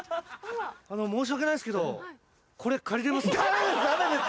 申し訳ないんですけどこれ借りれます？